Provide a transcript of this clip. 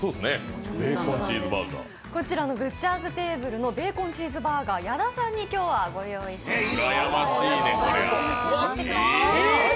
こちらのＢＵＴＣＨＥＲ’ＳＴＡＢＬＥのベーコンチーズバーガー、矢田さんに今日はご用意しました。